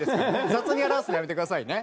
雑に表すのやめてくださいね。